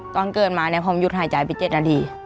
ตอนเกิดมาเนี่ยผมหยุดหายใจไป๗นาที